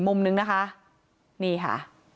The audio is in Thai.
มุมนึงนะคะนี่ค่ะ